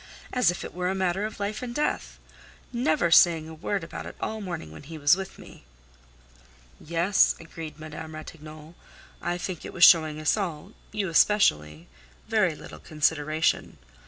As if it were a matter of life and death! Never saying a word about it all morning when he was with me." "Yes," agreed Madame Ratignolle. "I think it was showing us all—you especially—very little consideration.